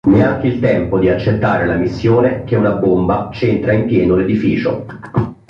Neanche il tempo di accettare la missione che una bomba centra in pieno l'edificio.